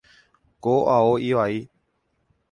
Ko ao ivai.